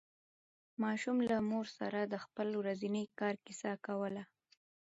ماشوم له مور سره د خپل ورځني کار کیسه کوله